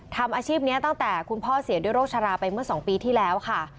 ทำอาชีพนี้ตั้งแต่คุณพ่อเสียด้วยโรคชะลาไปเมื่อ๒ปีที่แล้วค่ะ